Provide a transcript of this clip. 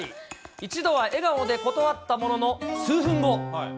一度は笑顔で断ったものの、数分後。